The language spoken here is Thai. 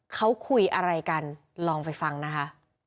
เขาคุยอะไรกันลองไปฟังนะคะ